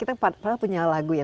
kita pernah punya lagu ya